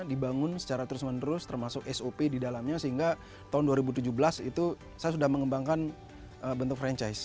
dibangun secara terus menerus termasuk sop di dalamnya sehingga tahun dua ribu tujuh belas itu saya sudah mengembangkan bentuk franchise